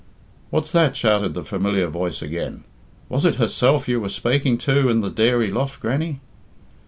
"What's that?" shouted the familiar voice again. "Was it herself you were spaking to in the dairy loft, Grannie?"